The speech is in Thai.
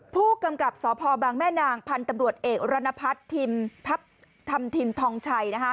ผู้กำกับสพบางแม่นางพันธุ์ตำรวจเอกรณพัฒน์ธรรมทิมทองชัย